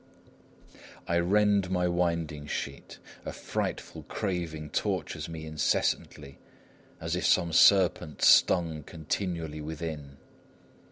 I rend my winding sheet; a frightful craving tortures me incessantly, as if some serpent stung continually within.